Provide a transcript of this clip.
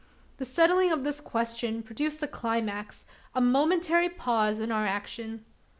The settling of this question, produced a climax a momentary pause in our action.